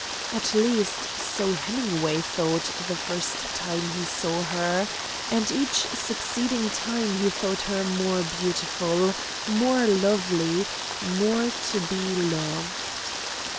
At least, so Hemingway thought the first time he saw her, and each succeeding time he thought her more beautiful, more lovely, more to be loved.